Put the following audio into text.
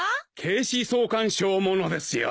警視総監賞ものですよ。